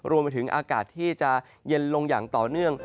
รวมไปถึงอากาศที่จะเย็นลงอย่างต่อเนื่อง